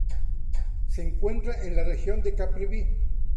Se encuentra en la región de Caprivi.